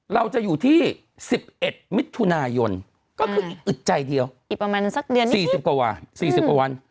เราจะอยู่ที่๑๑มิถุนายนก็คืออึดใจเดียว๔๐กว่าวัน